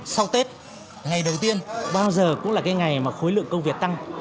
sau tết ngày đầu tiên bao giờ cũng là cái ngày mà khối lượng công việc tăng